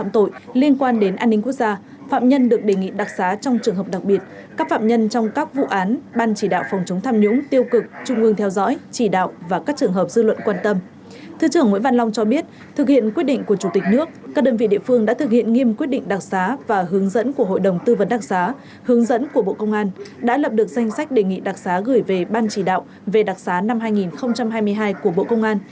trước hiện nghiêm quyết định đặc sá và hướng dẫn của hội đồng tư vấn đặc sá hướng dẫn của bộ công an đã lập được danh sách đề nghị đặc sá gửi về ban chỉ đạo về đặc sá năm hai nghìn hai mươi hai của bộ công an